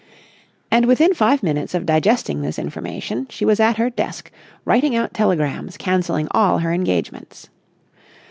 And within five minutes of digesting this information, she was at her desk writing out telegrams cancelling all her engagements.